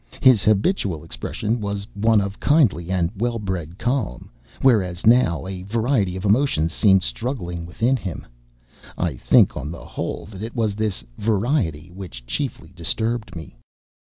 His habitual expression was one of kindly and well bred calm, whereas now a variety of emotions seemed struggling within him. I think, on the whole, that it was this variety which chiefly disturbed me.